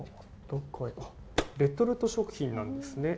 レトルト食品なんですね。